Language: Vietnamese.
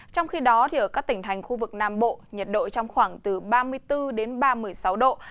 trong khi đó ở các tỉnh thành khu vực nam bộ nhiệt độ trong khoảng từ ba mươi bốn đến ba mươi sáu độ